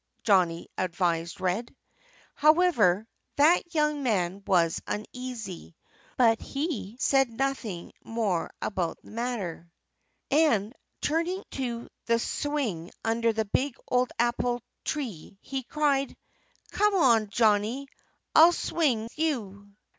Johnnie advised Red. However, that young man was uneasy. But he said nothing more about the matter. And turning to the swing under the big old apple tree he cried, "Come on, Johnnie! I'll swing you."